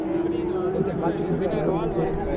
কিন্তু পিঠে কি একলা দারোগাই খাবে?